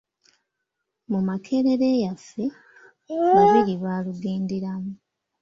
"Mu Makerere yaffe, babiri baalugenderamu."